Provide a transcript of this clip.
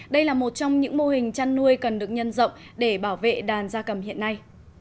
đây là một trong những mô hình chăn nuôi cần được nhân rộng để bảo vệ đàn gia cầm hiện nay